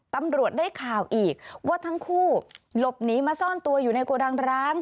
ตำรวจได้ข่าวอีกว่าทั้งคู่หลบหนีมาซ่อนตัวอยู่ในโกดังร้าง